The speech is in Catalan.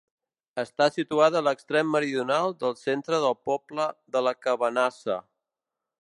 Està situada a l'extrem meridional del centre del poble de la Cabanassa.